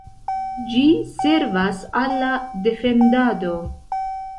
Ĝi servas al la defendado.